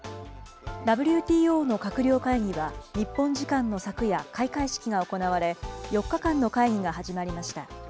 ＷＴＯの閣僚会議は日本時間の昨夜、開会式が行われ、４日間の会議が始まりました。